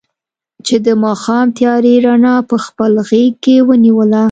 چې د ماښام تیارې رڼا په خپل غېږ کې ونیوله.